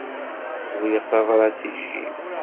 Uriɣ tabrat i Jim.